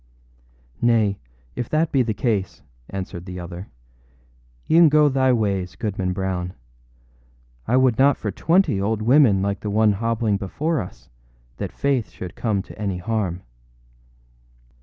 â âNay, if that be the case,â answered the other, âeâen go thy ways, Goodman Brown. I would not for twenty old women like the one hobbling before us that Faith should come to any harm.